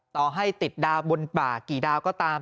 ต่อให้ติดดาวบนป่ากี่ดาวก็ตาม